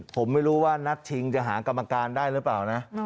ผมไม่รู้ว่านัดชิงจะหากรรมการได้หรือเปล่านะ